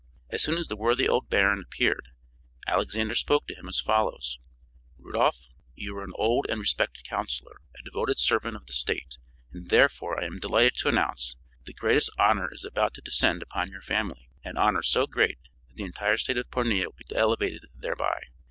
As soon as the worthy old baron appeared, Alexander spoke to him as follows: "Rudolph, you are an old and respected counselor, a devoted servant of the State, and therefore I am delighted to announce that the greatest honor is about to descend upon your family, an honor so great that the entire State of Pornia will be elevated thereby.